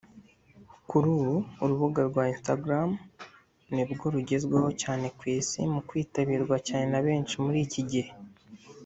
Kuri ubu urubuga rwa Instagram nibwo rugezweho cyane ku isi mu kwitabirwa cyane na benshi muri iki gihe